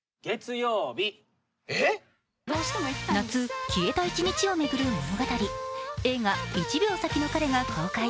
夏、消えた一日を巡る物語、映画「１秒先の彼」が公開。